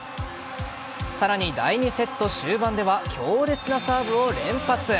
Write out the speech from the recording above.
さらに、第２セット終盤では強烈なサーブを連発。